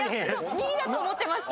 ２位だと思ってました。